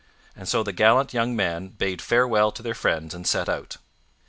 And so the gallant young men bade farewell to their friends and set out.